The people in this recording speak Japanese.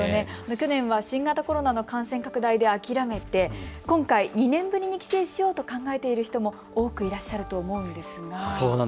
去年は新型コロナの感染拡大で諦めて今回２年ぶりに帰省しようと考えている人も多くいらっしゃると思うんですが。